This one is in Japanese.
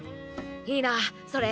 いいなそれ。